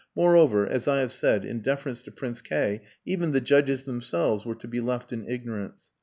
Moreover, as I have said, in deference to Prince K even the judges themselves were to be left in ignorance.